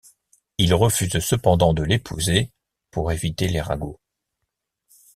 Il refuse cependant de l'épouser, pour éviter les ragots.